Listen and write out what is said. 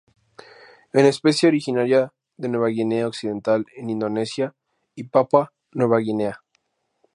Es especie originaria de Nueva Guinea Occidental en Indonesia y Papúa Nueva Guinea.